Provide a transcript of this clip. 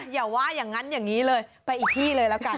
อย่าว่าอย่างนั้นอย่างนี้เลยไปอีกที่เลยแล้วกัน